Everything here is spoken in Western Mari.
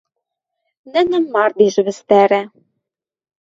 Нӹнӹм мардеж вӹстӓрӓ.